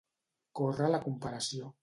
Córrer la comparació.